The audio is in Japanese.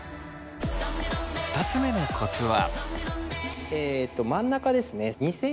２つ目のコツは。